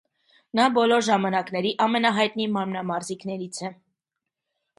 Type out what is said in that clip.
Նա բոլոր ժամանակների ամենահայտնի մարմնամարզիկներից է։